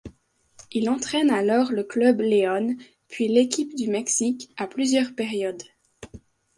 Il entraîne alors le Club León, puis l'équipe du Mexique à plusieurs périodes.